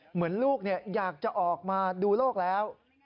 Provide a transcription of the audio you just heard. เหมือนลูกอยากจะออกมาดูโลกแล้ว